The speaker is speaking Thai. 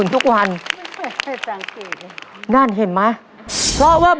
ซึ่งเป็นคำตอบที่